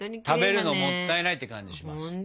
食べるのもったいないっていう感じします。